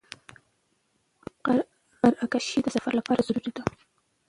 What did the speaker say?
قرعه کشي د سفر لپاره ضروري ده.